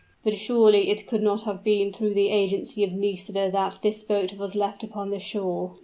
"But surely it could not have been through the agency of Nisida that this boat was left upon the shore?